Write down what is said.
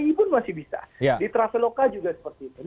baik pun masih bisa di traveloka juga seperti itu